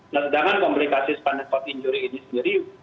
nah sedangkan komplikasi sepanjang covid sembilan belas ini sendiri